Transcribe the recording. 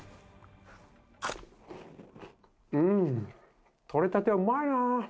うんとれたてはうまいなぁ！